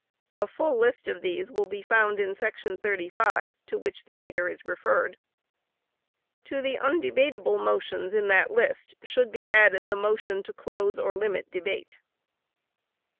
[A full list of these will be found in § 35, to which the reader is referred. To the undebatable motions in that list, should be added the motion to close or limit debate.